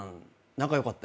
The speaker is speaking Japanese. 仲良かった？